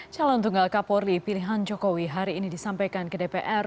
calon tunggal kapolri pilihan jokowi hari ini disampaikan ke dpr